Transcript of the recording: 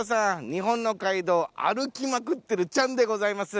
日本の街道歩きまくってるチャンでございます。